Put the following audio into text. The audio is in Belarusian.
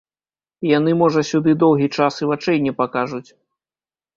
Яны можа сюды доўгі час і вачэй не пакажуць.